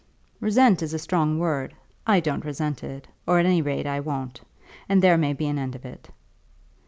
"Resent is a strong word. I don't resent it, or, at any rate, I won't; and there may be an end of it."